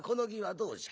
どうじゃ？